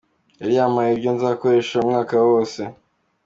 Yari yampaye ibyo nzakoresha umwaka wose.